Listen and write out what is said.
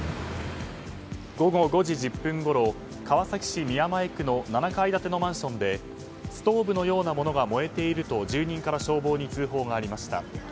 午後５時１０分ごろ川崎市宮前区の７階建てのマンションでストーブのようなものが燃えていると住人から消防に通報がありました。